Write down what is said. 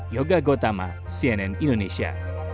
yoga gotama cnn indonesia